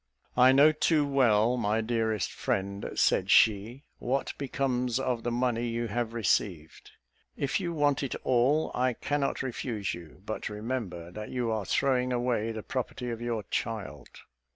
"I know too well, my dearest friend," said she, "what becomes of the money you have received. If you want it all, I cannot refuse you; but remember that you are throwing away the property of your child."